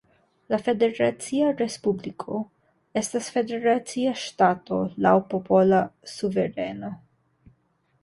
La Federacia Respubliko estas federacia ŝtato laŭ popola suvereno.